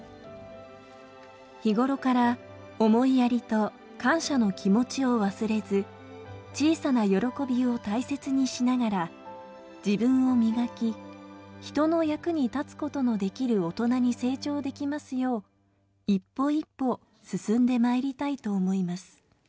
日頃から思いやりと感謝の気持ちを忘れず、小さな喜びを大切にしながら、自分を磨き、人の役に立つことのできる大人に成長できますよう、一歩一歩進んでまいりたいと思います。